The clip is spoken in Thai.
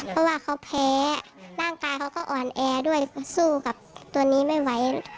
เพราะว่าเขาแพ้ร่างกายเขาก็อ่อนแอด้วยสู้กับตัวนี้ไม่ไหว